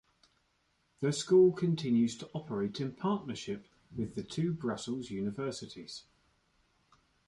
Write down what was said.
The school continues to operate in partnership with the two Brussels universities.